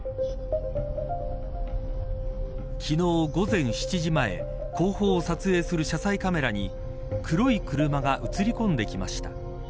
昨日午前７時前後方を撮影する車載カメラに黒い車が映り込んできました。